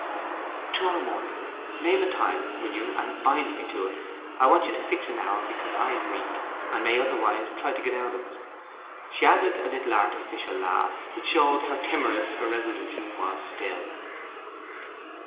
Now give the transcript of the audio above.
'To morrow morning. Name a time, will you, and bind me to it? I want you to fix an hour, because I am weak, and may otherwise try to get out of it.' She added a little artificial laugh, which showed how timorous her resolution was still.